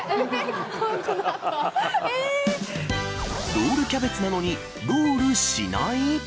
ロールキャベツなのにロールしない。